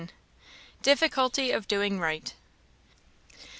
Difficulty of doing right.